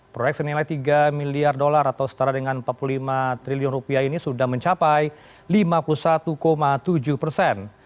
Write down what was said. proyek senilai tiga miliar dolar atau setara dengan empat puluh lima triliun rupiah ini sudah mencapai lima puluh satu tujuh persen